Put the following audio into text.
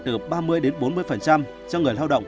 từ ba mươi đến bốn mươi cho người lao động